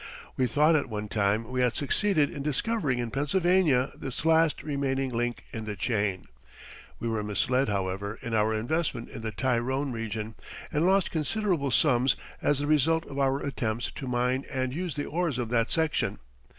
We thought at one time we had succeeded in discovering in Pennsylvania this last remaining link in the chain. We were misled, however, in our investment in the Tyrone region, and lost considerable sums as the result of our attempts to mine and use the ores of that section.